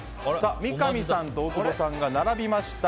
三上さんと大久保さんが並びました。